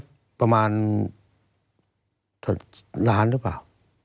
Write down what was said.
ผมก็ประมาณล้านรึเปล่า